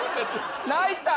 泣いたん？